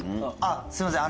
すみません